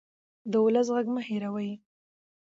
د ولس غږ مه هېروئ